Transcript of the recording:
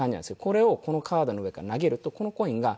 これをこのカードの上から投げるとこのコインが。